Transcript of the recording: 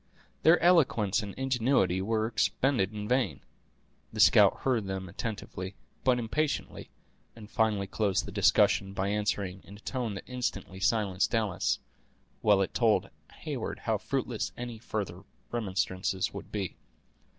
Their eloquence and ingenuity were expended in vain. The scout heard them attentively, but impatiently, and finally closed the discussion, by answering, in a tone that instantly silenced Alice, while it told Heyward how fruitless any further remonstrances would be.